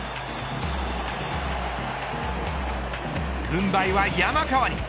軍配は山川に。